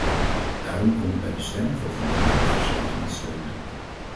Daarom kon ik bij de stemming van vandaag het verslag niet steunen.